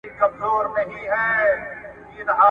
چي د افغانستان پر ضد تبليغات شروع کي